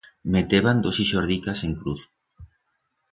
Meteban dos ixordicas en cruz.